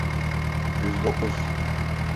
Yüz dokuz.